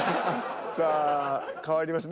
さあ変わりました。